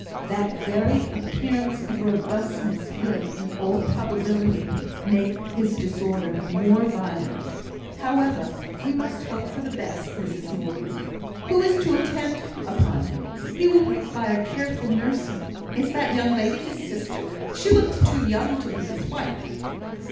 "That very appearance of robustness will, in all probability, make his disorder more violent. However, we must hope for the best, Mrs Morgan. Who is to attend upon him? He will require careful nursing. Is that young lady his sister? She looks too young to be his wife?"